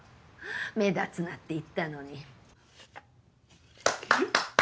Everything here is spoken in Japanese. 目立つなって言ったのに。